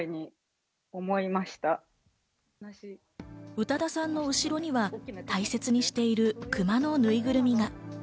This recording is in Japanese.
宇多田さんの後ろには大切にしているクマのぬいぐるみが。